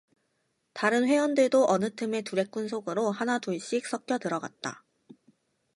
다른 회원들도 어느 틈에 두레꾼 속으로 하나 둘씩 섞여 들어갔다.